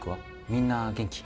みんな元気？